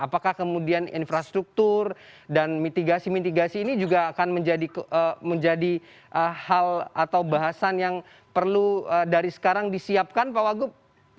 apakah kemudian infrastruktur dan mitigasi mitigasi ini juga akan menjadi hal atau bahasan yang perlu dari sekarang disiapkan pak wagub